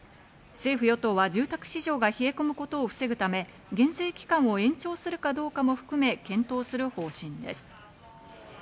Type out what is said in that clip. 政府・与党は住宅市場が冷え込むことを防ぐため減税期間を延長するかどうかも含め検討する方針です。